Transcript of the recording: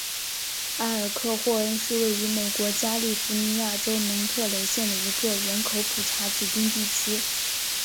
埃尔克霍恩是位于美国加利福尼亚州蒙特雷县的一个人口普查指定地区。